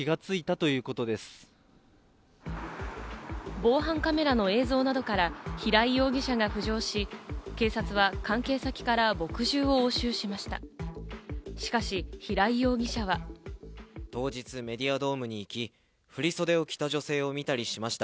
防犯カメラの映像などから平井容疑者が浮上し、警察は関係先から墨汁を押収しました。